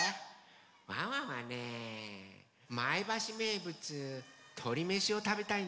ワンワンはね前橋めいぶつとりめしをたべたいんですけど。